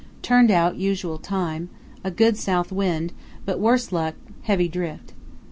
—Turned out usual time; a good south wind, but, worse luck, heavy drift.